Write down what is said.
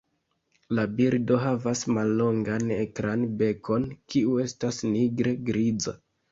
La birdo havas mallongan akran bekon, kiu estas nigre-griza.